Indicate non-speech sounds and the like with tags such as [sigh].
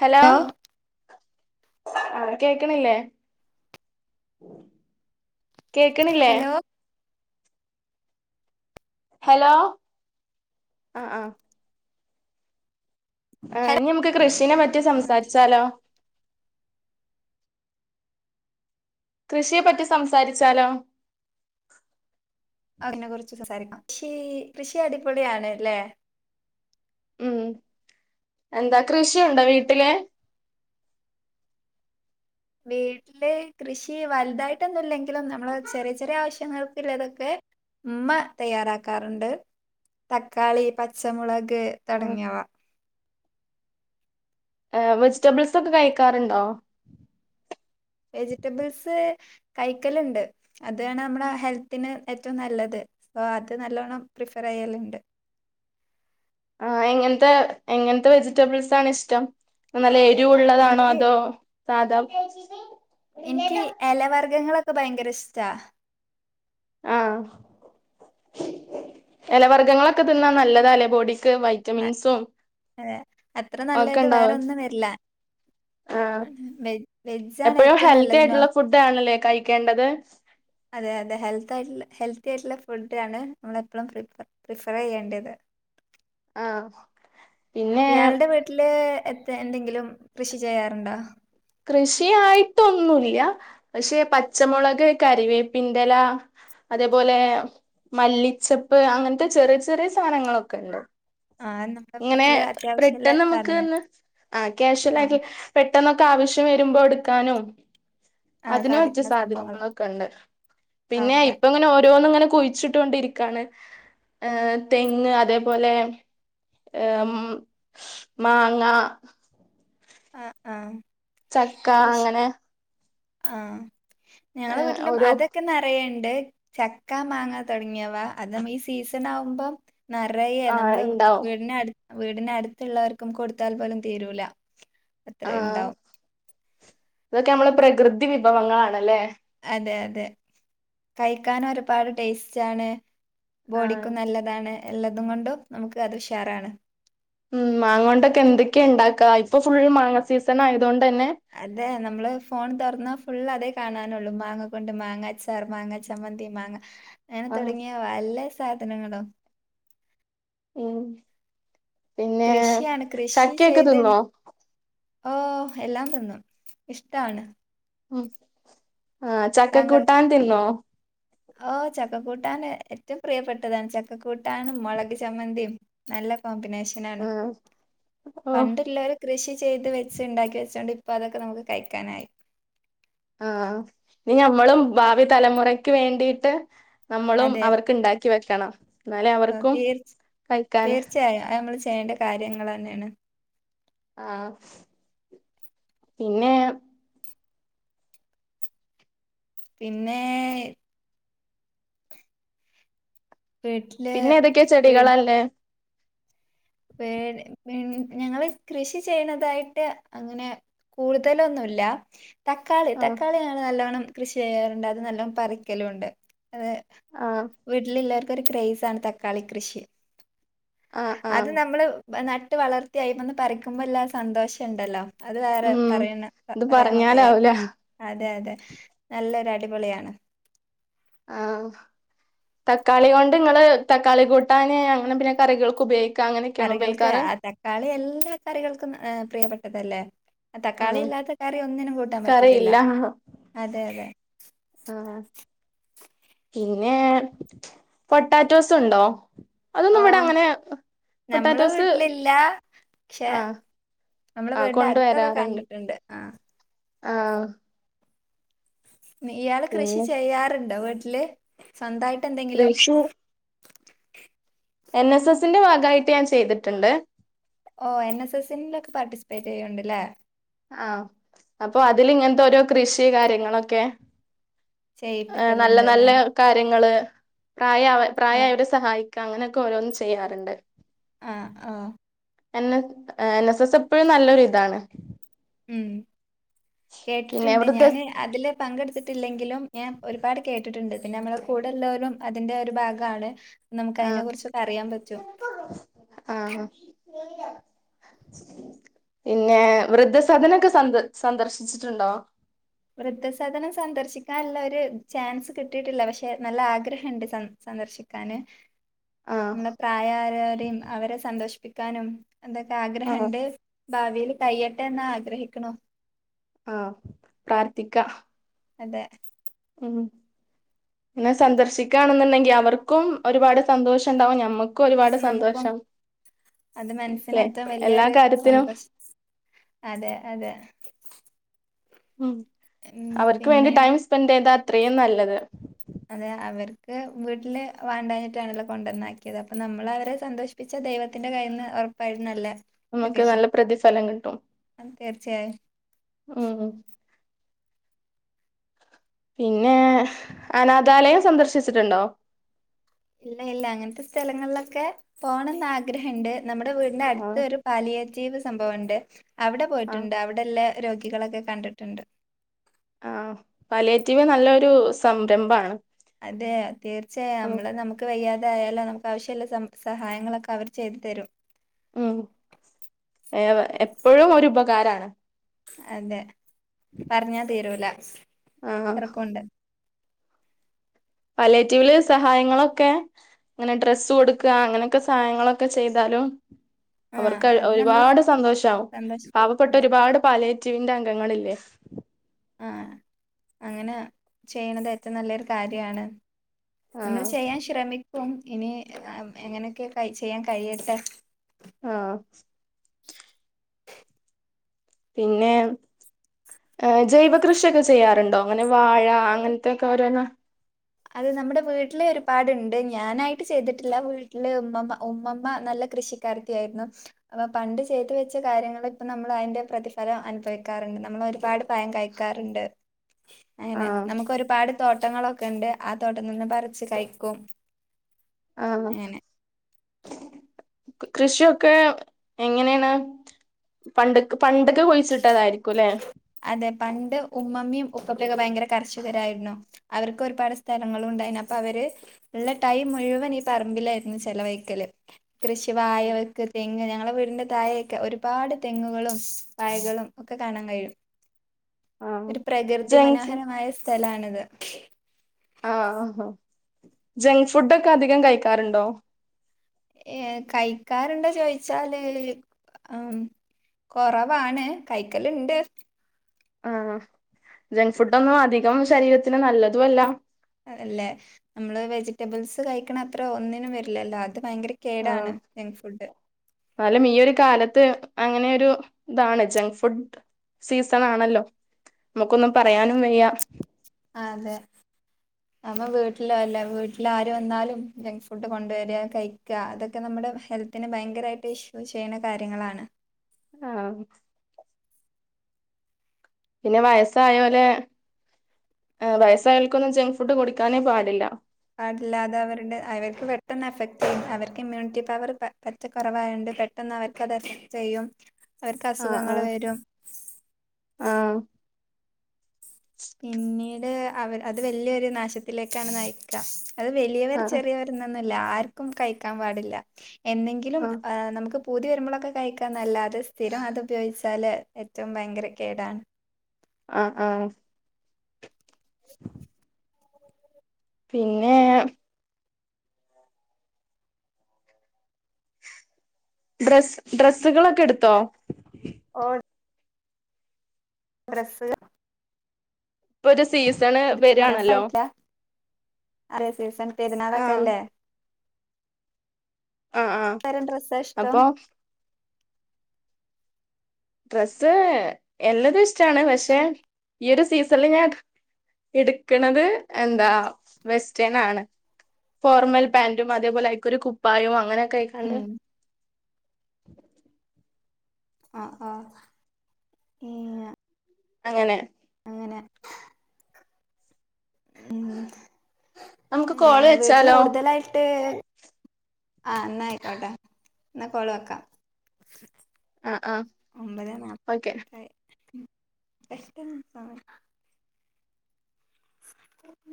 Hello ആഹ് കേക്ക്ണില്ലേ കേക്ക്ണില്ലേ ഹലോ ഹലോ ആഹ് ആഹ് ആഹ് ഹലോ ഇഞ്ഞമ്മക്ക് കൃഷിനെ പറ്റി സംസാരിച്ചാലോ കൃഷിയെ പറ്റി സംസാര്ച്ചാലോ അതിനെ കുർച്ച് സംസാരിക്കാം കൃഷി കൃഷി അടിപൊളിയാണ് ല്ലേ ഉം എന്താ കൃഷിയുണ്ടോ വീട്ടില് വീട്ട്ല് ല് കൃഷി വൽതായിട്ടൊന്നുല്ലെങ്കിലും നമ്മള് ചെറിയ ചെറിയ ആവശ്യങ്ങൾക്കിള്ളതൊക്കെ ഉമ്മ തയ്യാറാക്കാറുണ്ട് തക്കാളി പച്ചമുളക് തൊടങ്ങിയവ ഏഹ് വെജിറ്റബിൾസൊക്കെ കയിക്കാറുണ്ടോ വെജിറ്റബിൾസ് കൈക്കല്ണ്ട് അതാണ് നമ്മളെ ഹെൽത്തിന് ഏറ്റവും നല്ലത് സൊ അത് നല്ലോണം പ്രിഫറെയ്യലുണ്ട് ആഹ് എങ്ങൻത്തെ എങ്ങൻത്തെ വെജിറ്റബിൾസാണിഷ്ടം നല്ല എരിവുള്ളതാണോ എനിക്ക് അതോ സാധാ എനിക്കി എലവർഗങ്ങളൊക്കെ ഭയങ്കര ഇഷ്ടാ ആഹ് എലവർഗ്ഗങ്ങളൊക്കെ തിന്നാ നല്ലതാല്ലേ ബോഡിക്ക് വൈയ് ആഹ് ഏഹ് അത്ര ഒക്കെ നല്ലത് ഉണ്ടാവും വേറൊന്നും വരില്ല ആ വെജ വെജാണ് ഏറ്റവും നല്ലത് നോ ഇതാണല്ലേ കയിക്കേണ്ടത് അതെയതെ ഹെൽത്ത് ആയിട്ടു ഹെൽത്തിയായിട്ടുള്ള ഫുഡാണ് നമ്മളെപ്പോഴും പ്രി പ്രിഫർയ്യേണ്ടത് ആഹ് ഇയാൾടെ വീട്ടില് എ എന്തെങ്കിലും കൃഷി ചെയ്യാറുണ്ടോ കൃഷിയായിട്ടൊന്നുല്ല പഷെ പച്ചമുളക് കരിവേപ്പിന്റെല അതേപോലെ മല്ലിച്ചെപ്പ് അങ്ങൻത്തെ ചെറിയ ചെറിയ സാധനങ്ങളൊക്കെണ്ട് ആ നമ്മുടെ ഇങ്ങനെ വീട്ടില് അത്യാവശ്യമുള്ള പ്രിട്ടൺ നമുക്ക് സാധനം ഒന്ന് ആ ആ ക്യാഷലായിട്ട പെട്ടെന്നൊക്കെ ആവശ്യം വരുമ്പോ എടുക്കാനും ആ അതിന് പറ്റിയ സാധിക്കുന്ന സംഭവങ്ങൾ സാധനങ്ങളൊക്കെണ്ട് പിന്നെ ഓക്കെ ഇപ്പ ഇങ്ങനെ ഓരോന്നും ഇങ്ങനെ കുയിച്ചിട്ട ട്ടൊണ്ടിരിക്കാണ് ഏഹ് തെങ്ങ് അതേപോലെ ഏഹ് ഉം മാങ്ങ ആഹ് ആഹ് ചക്ക അങ്ങനെ ആഹ് ഞങ്ങള വീട്ട്ലും ഓരോ അതെക് ഒക്കെ നെറയെ ഇണ്ട് ചക്ക മാങ്ങ തൊടങ്ങിയവ അത് അമ്മക്ക് ഈ സീസൺ ആവുമ്പം നറയേ ആ നമ്മള് ഇണ്ടാവും വീടിനട്ത്ത് വീടിന് അട്ത്ത് ഇള്ളോർക്കും കൊടുത്താൽ പോലും തീരൂല ആ അത്രുണ്ടാവും ഇതൊക്കെ ഞമ്മളെ പ്രകൃതി വിഭവങ്ങളാണല്ലേ അതെ അതെ കയിക്കാന് ഒരുപാട് ടേസ്റ്റാണ് ആഹ് ബോഡിക്കും നല്ലതാണ് എല്ലതും കൊണ്ടും നമുക്ക് അത് ഉഷാറാണ് ഉം മാങ്ങാേണ്ടൊക്കെ എന്തൊക്കെ ഇണ്ടാക്കാ ഇപ്പൊ ഫുള്ള് മാങ്ങ സീസണായതോണ്ടെന്നെ അതെ നമ്മള് ഫോണ് തൊറന്നാ ഫുള്ള് അതെ കാണാനാെള്ളൂ മാങ്ങ കൊണ്ട് മാങ്ങഅച് ച്ചാർ മാങ്ങ ചമ്മന്തി മാങ്ങ എങ്ങനെ ആഹ് തൊടങ്ങിയ പലെ സാധനങ്ങളും ഉം പിന്നെ കൃഷിയാണ് ചക്കയൊക്കെ തിന്നോ ഓഹ് എല്ലാംതിന്നും ഇഷ്ടാണ് ഉം ആഹ് ചക്കകൂട്ടാൻ തിന്നോ ഓഹ് ചക്കക്കൂട്ടാന് ഏറ്റവും പ്രിയപ്പെട്ടതാണ് ചക്ക കൂട്ടാനും മൊളക് ചമ്മന്തിം നല്ല കോമ്പിനേഷനാണ് ആഹ് ഓഹ് പണ്ടു ഇള്ളോര് കൃഷി ചെയ്ത് വെച്ച് ഇണ്ടാക്കി വെച്ചോണ്ട് ഇപ്പൊ അതൊക്കെ നമുക്ക് കഴിക്കാനായി ആഹ് ഇനി ഞമ്മളും ഭാവി തലമുറക്ക് വേണ്ടീട്ട് നമ്മളും അവർക്ക് ഇണ്ടാ ക്കി വെക്കണം എന്നാലേ ഓഹ് അവർക്കും തീർച്ച് കഴിക്കാൻ തീർച്ചയായും അത് നമ്മള് ചെയ്യേണ്ട കാര്യങ്ങളെന്നേണ് ആഹ് പിന്നെ പിന്നെ വീട്ടില് പിന്നെ ഏതൊക്കെ ചെടികളാ ഇള്ളേ പേന് പിൻ ഞങ്ങള് കൃഷി ചെയ്യ്ണതായിട്ട് അങ്ങനെ കൂട്തലൊന്നും ഇല്ല തക്കാളി ആഹ് തക്കാളി ഞങ്ങള് നല്ലോണ്ണം കൃഷി ചെയ്യാറുണ്ട് അത് നല്ലം പറിക്കലും ഇണ്ട് അത് ആഹ് വീട്ടില് എല്ലാർക്കും ഒരു ക്രൈസാണ് തക്കാളി കൃഷി ആഹ് അത് ആഹ് നമ്മള് നട്ട് വളർത്തി അയ്മന്ന് പറിക്കുമ്പൊ ഇള്ള ആ സന്തോഷം ഇണ്ടല്ലോ അത് വേറെ ഉം പറയ്ണ പ ഇത് പറയാനൊന്നും കയിയാ പറഞ്ഞാലാവൂല അതെ അതെ നല്ലൊരു അടിപൊളിയാണ് ആഹ് തക്കാളി കൊണ്ട് ഇങ്ങള് തക്കാളി കൂട്ടാന് അങ്ങനെ പിന്നെ കറികൾക്ക് ഉപയോഗി കറികൾക്ക് ആഹ് തക്കാളി എല്ലാ കറികൾക്കും ഹ് പ്രിയപ്പെട്ടതെല്ലേ ആഹ് തക്കാളി ഇല്ലാത്ത കറി ഒന്നിനും കൂട്ടാംപറ്റത്തില്ല കറിയില്ല അതെ അതെ ആഹ് പിന്നെ പൊട്ടാറ്റോസ് ഇണ്ടോ ഓഹ് നഞമ്മളെ വീട്ട്ലില്ല പക്ഷെ ആഹ് നമ്മളെ ആഹ് വീടിന്റ അട്ത്തൊക്കെ കൊണ്ടുവരാറുണ്ട് കണ്ട്ട്ട്ണ്ട് ആഹ് ആഹ് ഇയാള് കൃഷി പിന്നെ ചെയ്യാറ്ണ്ടോ വീട്ടില് സ്വന്തായിട്ട് എന്തെങ്കിലും കൃഷി എൻ എസ് എസിന്റെ ഭാഗായിട്ട് ഞാൻ ചെയ്ത്ട്ട്ണ്ട് ഓഹ് എൻ എസ് എസ്സിന്റെ ഒക്കെ പാർട്ടിസിപ്പേറ്റ് ചെയ്യുന്നുണ്ട്ല്ലേ ആഹ് അപ്പൊ അതില് ഇങ്ങൻത്തെ ഓരോ കൃഷി കാര്യങ്ങളൊക്കെ ഏഹ് നല്ല ചെയ്യിപ്പിക്കലുണ്ട് അല്ലേ നല്ലത് കാര്യങ്ങള് പ്രായാവ ആ പ്രായായവരെ സഹായിക്കുക അങ്ങനെയൊക്കെ ഓരോന്നും ചെയ്യാറുണ്ട് ആഹ് ആഹ് എന്ന് എ എന്നെസ്സെസ്സ് ഇപ്പഴും നല്ലൊരുതാണ് ഉം പിന്നെ കേട്ടിട്ട്ണ്ട് വൃദ്ധ ഞാന് അതില് പങ്കെടുത്തിട്ടില്ലെങ്കിലും ഞാൻ ഒരുപാട് കേട്ടിട്ട്ണ്ട് പിന്നെ ഞമ്മളെ കൂടെല്ലോലും അതിന്റെ ഒരു ഭാഗാണ് നമുക്ക് അതിനെ കുറിച്ചൊക്കെ അറിയാൻ പറ്റും ആഹ് പിന്നെ വൃദ്ധസദനൊക്കെ സന്ദർ സന്ദർശിച്ചിട്ടുണ്ടോ വൃദ്ധസധനം സന്ദർശിക്കാള്ള ഒരു ചാൻസ് കിട്ടിട്ടില്ല പക്ഷെ നല്ല ആഗ്രഹണ്ട് സ സന്ദർശിക്കാന് ആ പിന്നെ പ്രായാരോരം അവരെ സന്തോഷിപ്പിക്കാനും ഇതൊക്കെ ആ ആഗ്രഹണ്ട് ഭാവില് കയ്യട്ടെന്ന് ആഗ്രഹിക്ക്ണു ആഹ് പ്രാർത്തിക്ക ന്ന്ട്ട് ഉം ഇങ്ങെ സന്ദർശിക്കാണെന്ന്ണ്ടെങ്കി അവർക്കും ഒരുപാട് സന്തോഷം ണ്ടാവും ഞമ്മ നമക്കും അത് മനസ്സിന് അല്ലെ ഏറ്റവും എല്ലാ വല്ല്യൊരു കാര്യത്തിനും സന്തോഷം അതെ അതെ ഉം ഉം അവർക്ക് വേണ്ടി പിന്നീട് ടൈം സ്പെൻഡെയ്താ അത്രീം നല്ലത് അതെ അവർക്ക് വീട്ടില് വാണ്ടാഞ്ഞിട്ടാണല്ലോ കൊണ്ടന്നാക്കിയത് അപ്പൊ നമ്മളവരെ സന്തോഷി പ്പിച്ച ദൈവത്തിന്റെ കയ്യ്ന്ന് ഒറപ്പായും നല്ലെ നമ്മക്ക് നല്ല പ്രതിഫലം കിട്ടും അത് തീർച്ചയായും ഉം പിന്നെ അനാഥാലയം സന്ദർശിച്ചിട്ടുണ്ടോ ഇല്ല ഇല്ല അങ്ങൻത്തെ സ്ഥലങ്ങളിലൊക്കെ പോണംന്ന് ആഗ്രഹണ്ട് നമ്മുടെ വീടിന്റെ ആ അട്ത്ത് ഒരു പാലിയേറ്റീവ് സംഭവണ്ട് അവടെ ആ പോയിട്ടുണ്ട് അവ ടെല്ലെ രോഗികളൊക്കെ കണ്ടിട്ട്ണ്ട് ആഹ് പാലിയേറ്റീവ് നല്ലൊരു സംരംമ്പാണ് അതെ തീർച്ചയായും നമ്മള് നമു ക്ക് വെയ്യാതായാലോ നമുക്ക് ആവശ്യള്ള സം സഹായങ്ങളൊക്കെ അവര് ചെയ്ത് തെരും ഉം എ എപ്പഴും ഒരു ഉപകാരാണ് അതെ പറഞ്ഞാ തീരൂല ആഹ് ത്രക്കുണ്ട് പാലിയേറ്റീവില് സഹായങ്ങളൊക്കെ ങ്ങനെ ഡ്രസ്സ് കൊടുക്ക അങ്ങനെക്കെ സഹായങ്ങളൊക്കെ ചെയ്താലും ആ അവർക്ക് അത് നമ്മള് ഒരുപാട് സന്തോഷാവും സന്തോഷിക്കും പാവപ്പെട്ട അതെ ഒരുപാട് പാലിയേറ്റീവിന്റെ അംഗങ്ങളില്ലേ ആഹ് അങ്ങനെ ചെയ്യ്ണത് ഏറ്റവും നല്ലൊരു കാര്യാണ് നമ്മള് ആഹ് ചെയ്യാൻ ശ്രമിക്കും ഇനി എങ്ങനെയൊക്കെ ചെയ്യാൻ കഴിയട്ടെ ആഹ് പിന്നെ ജൈവ കൃഷിയൊക്കെ ചെയ്യാറുണ്ടോ അങ്ങനെ വാഴ അങ്ങൻത്തെക്കെ ഓരോന്ന് അത് നമ്മുടെ വീട്ടില് ഒരുപാടുണ്ട് ഞാനായിട്ട് ചെയ്തിട്ടില്ല വീട്ടില് ഉമ്മമ്മ ഉമ്മമ്മ നല്ല കൃഷി കാരത്തി ആയിരുന്നു അപ്പൊ പണ്ട് ചെയ്ത് വെച്ച കാര്യങ്ങള് പ്പ നമ്മള് അയ്ന്റെ പ്രതിഫലം അനുഭവിക്കാറ്ണ്ട് നമ്മള് ഒരുപാട് പയം കഴിക്കാറ്ണ്ട് അങ്ങനെ ആഹ് നമുക്ക് ഒരുപാട് തോട്ടങ്ങളൊക്കെണ്ട് ആ തോട്ടന്ന് പറിച്ച് കഴിക്കും ആന്നോ അങ്ങനെ കൃഷിയൊക്കെ എങ്ങനെണ് പണ്ടെക് പണ്ടെക്ക് കുഴിച്ചിട്ടതായിരിക്കും ല്ലെ. അതെ പണ്ട് ഉമ്മമ്മിം ഉപ്പപ്പൊക്കെ ഭയങ്കര കർഷകരായിര്ണു. അവർക്ക് ഒരുപാട് സ്ഥലങ്ങളൂണ്ടായ്ന് അപ്പവര് ഇള്ള ടൈം മുഴുവൻ ഈ പറമ്പിലായിരുന്നു ചെലവഴിക്കല്. കൃഷി വായ ഉം വെക്ക് തെങ്ങ് ഞങ്ങളുടെ വീടിന്റെ തായെയൊക്കെ ഒരുപാട് തെങ്ങുകളും വായകളും ഒക്കെ കാണാൻ കഴിയും. ആഹ് ഒരു പ്രകൃതി ജങ്ക്സ് മനോഹരമായ സ്ഥലാണിത്. ആഹ് ആഹ്. ജങ്ക് ഫുഡൊക്കെ അധികം കഴിക്കാറുണ്ടോ? ഏഹ് കഴിക്കാറുണ്ടോ ചോയിച്ചാല് ആം കൊറവാണ് കയിക്കല്ണ്ട്. ആഹ്. ജങ്ക് ഫുഡൊന്നും അധികം ശരീരത്തിന് നല്ലതു അല്ല. അതല്ലേ നമ്മള് വെജിറ്റബിൾസ് കഴിക്ക്ണ അത്ര ഒന്നിനും വരില്ലല്ലോ അത് ഭയങ്കര കേടാണ് ആഹ് ജങ്ക് ഫുഡ്. എന്നാലും ഈ ഒരു കാലത്ത് അങ്ങനെയൊരു ഇതാണ്. ജങ്ക് ഫുഡ് സീസണാണല്ലോ. നമുക്കൊന്നും പറയാനും വയ്യ. അതെ. [unintelligible] നമ്മ വീട്ടില് അല്ല വീട്ടിൽ ആര് വന്നാലും ജങ്ക് ഫുഡ് കൊണ്ടുവരാ കഴിക്കാ അതൊക്കെ നമ്മുടെ ഹെൽ ത്തിന് ഭയങ്കരായിട്ട് ഇഷ്യൂ ചെയ്യ്ണ കാര്യങ്ങളാണ്. ആഹ്. പിന്നെ വയസ്സായോലെ ഏഹ് വയസ്സായോൽക്കൊന്നും ജങ്ക് ഫുഡ് കൊട്ക്കാനേ പാടില്ല. പാടില്ലാ അതവരുടെ അവർക്ക് പെട്ടെന്ന് എഫക്ട് ചെയ്യും അവർക്ക് ഇമ്മ്യൂണിറ്റി പവർ പ പ റ്റ കൊറവായോണ്ട് പെട്ടെന്നവർക്കത് എഫക്ട് ചെയ്യും. അവർക്ക് അസുഖങ്ങൾ ആഹ്ആഹ് വരും ആഹ്. പിന്നീട് അവർ അത് വലിയൊരു നാശത്തിലേക്കാണ് നയിക്കാ. അത് വലിയവർ ആഹ് ചെറിയവർ എന്നൊന്നുംല്ല. ആർക്കും കഴിക്കാൻ പാടില്ല എന്നെങ്കിലും ആഹ് നമുക്ക് പൂതി വരുമ്പളൊക്കെ കഴിക്കാന്നല്ലാതെ സ്ഥിരം അത് ഉപയോഗിച്ചാൽ ഏറ്റവും ഭയങ്കര കേടാണ്. ആഹ് ആഹ് [unintelligible] പിന്നെ ഡ്രസ്സ് ഡ്രസ്സുകളൊക്കെ ഇട്ത്തോ? ഓഹ് ഇ ഡ്രസ്സ് [unintelligible] ഇപ്പൊര് സീസണ് എടുത്തുകൊണ്ട് വെരാണല്ലോ. രസായിട്ടില്ല അതേ സീസൺ ആഹ് പെരുന്നാളൊക്കല്ലേ. ആഹ് ആഹ് ത്തരം ഡ്രസ്സാ ഇഷ്ടം? അപ്പൊ ഡ്രസ്സ് എല്ലതും ഇഷ്ടാണ്. പക്ഷെ ഈ ഒരു സീസണില് ഞാൻ ഇട്ക്ക്ണത് എന്താ വെസ്റ്റേൺ ആണ്. ഫോർമൽ പാന്റും അതേപോലെ അയിക്കൊരു കുപ്പായോം അങ്ങനൊക്കയിക്കാണ്ട്. ഉം അഹ്ആഹ് ഈയ അങ്ങനെ. അങ്ങനെ. ഉം നമുക്ക് കോള് വീട്ടില് വെച്ചാലോ കൂടുതലായിട്ട് ആഹ് ഇന്നാ അയിക്കോട്ടെ. ഇന്നാ കോള് വെക്കാ. ആഹ് ആഹ് ഒമ്പതേ ഓക്കെ നാപ്പത്തെട്ടായി ഉം പെട്ടെന്ന് സമയം [inaudible]